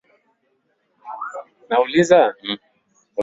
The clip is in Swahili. Mwaka wa elfu moja mia tisa arobaini na tisa